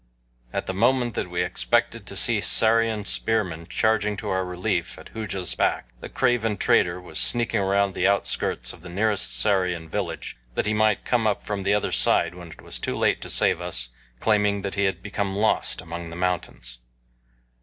At the moment that we expected to see Sarian spearmen charging to our relief at Hooja's back, the craven traitor was sneaking around the outskirts of the nearest Sarian village, that he might come up from the other side when it was too late to save us, claiming that he had become lost among the mountains.